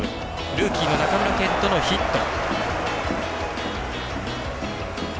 ルーキーの中村健人のヒット。